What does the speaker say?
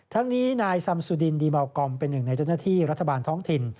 ทั้งนี้นายซัมสุดินดีเมากอมเป็นหนึ่งในเจ้าหน้าที่รัฐบาลท้องถิ่น